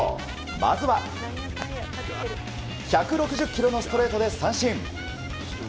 まずは１６０キロのストレートで三振。